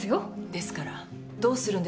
ですからどうするんです？